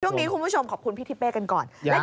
คุณผู้ชมขอบคุณพี่ทิเป้กันก่อน